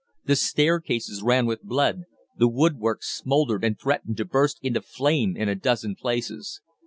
The staircases ran with blood, the woodwork smouldered and threatened to burst into flame in a dozen places.